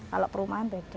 kalau perumahan beda